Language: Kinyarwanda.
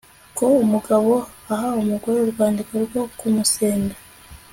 ko umugabo aha umugore urwandiko rwo kumusenda